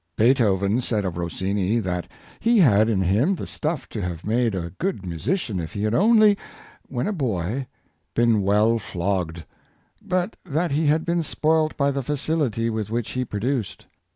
Beethoven said of Rossini, that he had in him the stuff to have made a good musician if he had only, when a boy, been well flogged; but that he had been spoilt Adversity and Prosj)erity. 311 by the facility with which he produced.